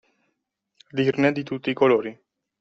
Dirne di tutti i colori.